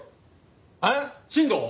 えっ新藤？